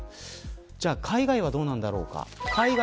じゃあ海外はどうなんだろうか。